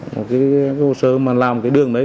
cái hồ sơ mà làm cái đường đấy